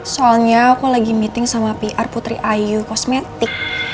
soalnya aku lagi meeting sama pr putri ayu kosmetik